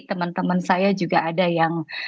teman teman saya juga ada yang